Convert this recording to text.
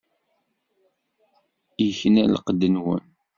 Ikna lqedd-nwen.